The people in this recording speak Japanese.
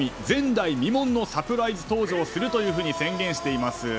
前代未聞のサプライズ登場するというふうに宣言しています。